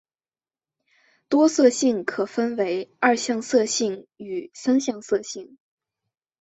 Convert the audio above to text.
多色性可分为二向色性与三向色性。